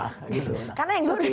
karena yang dulu di deklarasi